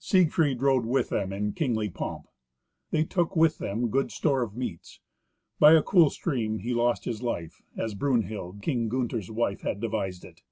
Siegfried rode with them in kingly pomp. They took with them good store of meats. By a cool stream he lost his life, as Brunhild, King Gunther's wife, had devised it.